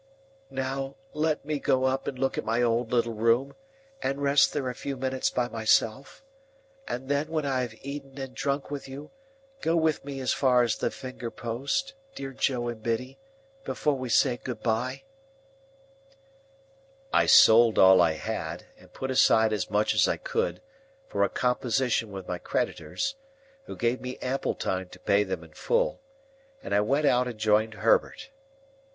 "Now let me go up and look at my old little room, and rest there a few minutes by myself. And then, when I have eaten and drunk with you, go with me as far as the finger post, dear Joe and Biddy, before we say good bye!" I sold all I had, and put aside as much as I could, for a composition with my creditors,—who gave me ample time to pay them in full,—and I went out and joined Herbert.